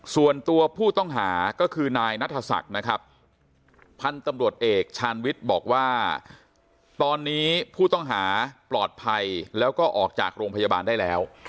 ส่วนตัวผู้ต้องหาก็คือนายนัทศักดิ์นะครับพันธุ์ตำรวจเอกชาญวิทย์บอกว่าตอนนี้ผู้ต้องหาปลอดภัยแล้วก็ออกจากโรงพยาบาลได้แล้ว